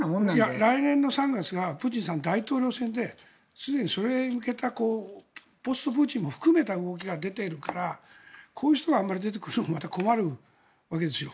来年の３月がプーチンさんは大統領選ですでにそれに向けたポストプーチンに向けた動きが出ているからこういう人があまり出てくるのは困るわけです。